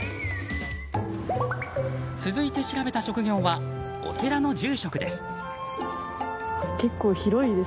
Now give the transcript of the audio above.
続いて調べた職業はお寺の住職です。